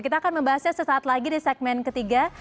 kita akan membahasnya sesaat lagi di segmen ketiga